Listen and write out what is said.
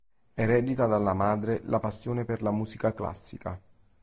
Eredita dalla madre la passione per la musica classica.